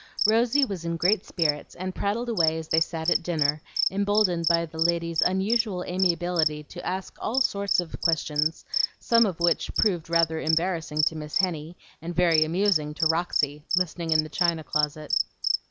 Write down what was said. Rosy was in great spirits, and prattled away as they sat at dinner, emboldened by the lady's unusual amiability to ask all sorts of questions, some of which proved rather embarrassing to Miss Henny, and very amusing to Roxy, listening in the china closet.